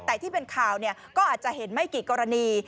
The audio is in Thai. แต่ที่เป็นข่าวก็อาจจะเห็นไม่กี่กรณี